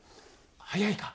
早いか。